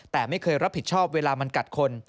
แต่ไม่เคยรับผิดชอบเวลามันกัดคน